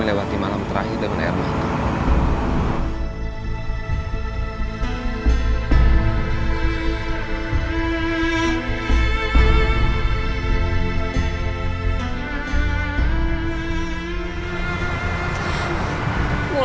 aku sudah tidak bisa lagi dengan perasaanmu